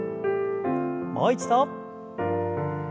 もう一度。